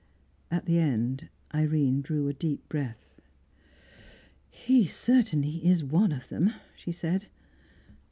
At the end, Irene drew a deep breath. "He, certainly, is one of them," she said.